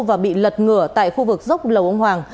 và bị lật ngửa tại khu vực dốc lầu ông hoàng